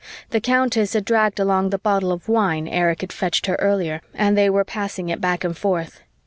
The Countess had dragged along the bottle of wine Erich had fetched her earlier and they were passing it back and forth.